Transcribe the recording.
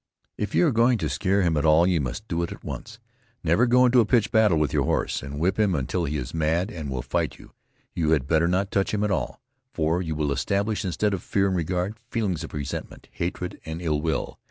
If you are going to scare him at all you must do it at once. Never go into a pitch battle with your horse, and whip him until he is mad and will fight you; you had better not touch him at all, for you will establish, instead of fear and regard, feelings of resentment, hatred and ill will.